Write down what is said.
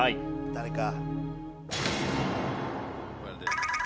誰か。